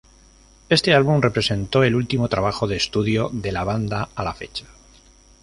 Este álbum representó el último trabajo de estudio de la banda a la fecha.